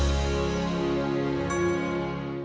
bella kamu dimana bella